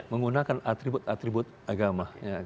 menggunakan atribut atribut agama